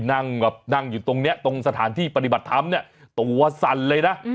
นั่งแบบนั่งอยู่ตรงนี้ตรงสถานที่ปฏิบัติธรรมเนี่ยตัวสั่นเลยนะ